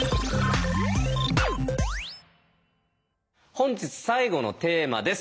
本日最後のテーマです。